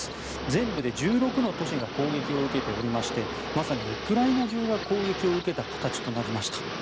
全部で１６の都市が攻撃を受けておりましてまさにウクライナ中が攻撃を受けた形となりました。